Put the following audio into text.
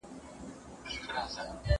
د کتاب د کرښو سد سکندر دی